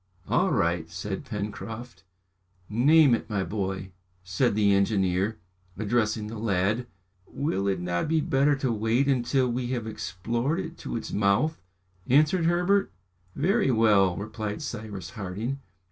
"All right!" said Pencroft. "Name it, my boy," said the engineer, addressing the lad. "Will it not be better to wait until we have explored it to its mouth?" answered Herbert. "Very well," replied Cyrus Harding.